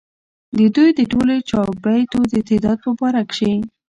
ددوي د ټولو چابېتو د تعداد پۀ باره کښې